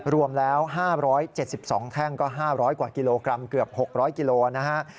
รวมแล้ว๕๗๒แท่งก็๕๐๐กว่ากิโลกรัมเกือบ๖๐๐กิโลนะฮะ